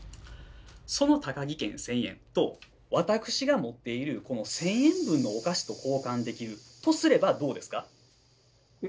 その「タカギ券１，０００えん」と私が持っているこの１，０００円分のお菓子と交換できるとすればどうですか？